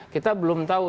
kita belum tahu